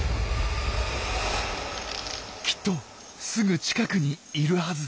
きっとすぐ近くにいるはず。